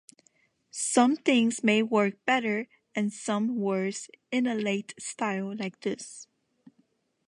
Some things may work better and some worse in a late style like this.